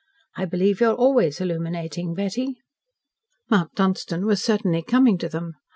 I believe you are always illuminating, Betty." Mount Dunstan was certainly coming to them.